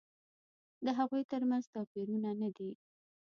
د هغوی تر منځ توپیرونه نه دي.